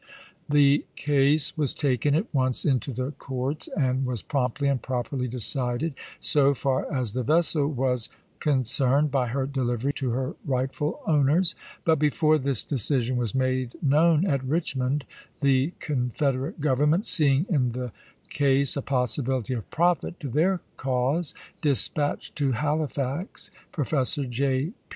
The case was taken at once into the courts, and was promptly and properly decided, so far as the vessel was concerned, by her dehvery to her right ful owners ; but before this decision was made known at Richmond, the Confederate Government, seeing in the case a possibility of profit to then cause, dispatched to Halifax Professor J.